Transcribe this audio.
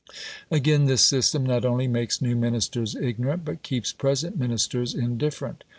Again, this system not only makes new Ministers ignorant, but keeps present Ministers indifferent.